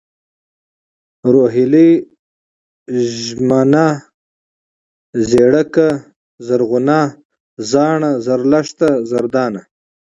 روهيلۍ ، ژمنه ، ژېړکه ، زرغونه ، زاڼه ، زرلښته ، زردانه